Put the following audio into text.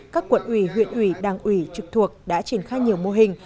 các quận ủy huyện ủy đảng ủy trực thuộc đã triển khai nhiều mô hình